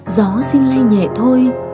gió xin lây nhẹ thôi